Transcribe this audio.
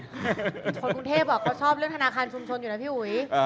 คนกรุงเทพเขาชอบเรื่องธนาคารชุมชนอยู่นะพี่อุ๋ย